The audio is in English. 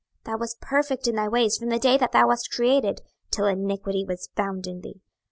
26:028:015 Thou wast perfect in thy ways from the day that thou wast created, till iniquity was found in thee.